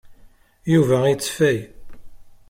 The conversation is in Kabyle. Yuba yetteffay.